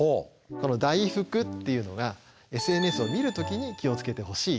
この「だいふく」っていうのがＳＮＳを見る時に気を付けてほしい。